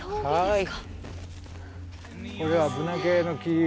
はい。